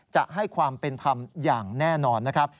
จะให้ความเป็นธรรมอย่างแน่นอนนะครับ